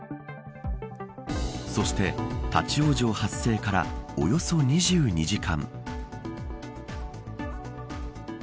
そして、立ち往生発生からおよそ２２時間。